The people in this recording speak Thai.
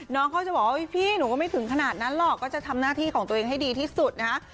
น้องเขาจะบอกว่าพี่หนูก็ไม่ถึงขนาดนั้นหรอกก็จะทำหน้าที่ของตัวเองให้ดีที่สุดนะฮะ